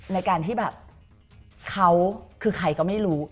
ในการที่แบบเขาคือใครก็ไม่รู้